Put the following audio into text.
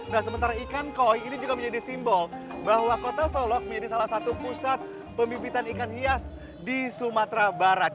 nah sementara ikan koi ini juga menjadi simbol bahwa kota solok menjadi salah satu pusat pemipitan ikan hias di sumatera barat